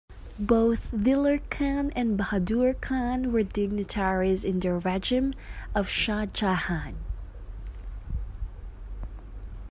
Both Dilir Khan and Bahadur Khan were dignitaries in the regime of Shah Jahan.